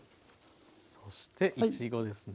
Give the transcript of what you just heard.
そしていちごですね。